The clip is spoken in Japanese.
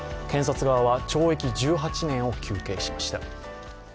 検察側は懲役１８年を求刑しました。